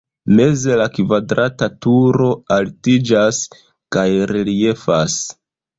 Meze la kvadrata turo altiĝas kaj reliefas.